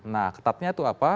nah ketatnya itu apa